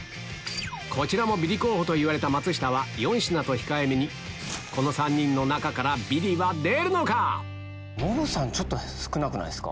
こちらもビリ候補と言われた松下は４品と控えめにこの３人の中からビリは出るのか⁉ノブさん少なくないっすか？